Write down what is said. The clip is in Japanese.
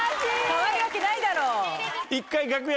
・かわいいわけないだろ！